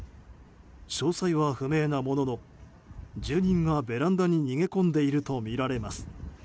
詳細は不明なものの住民がベランダに逃げ込んでいるとみられます。